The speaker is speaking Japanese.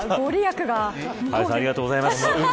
川合さんありがとうございます。